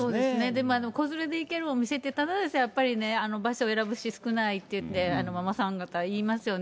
でも子連れで行けるお店って、ただでさえ、場所選ぶし、少ないって言って、ママさん方、言いますよね。